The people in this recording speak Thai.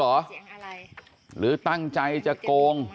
บอกว่าพี่จะเลี้ยงอะไรหรือตั้งใจจะโกง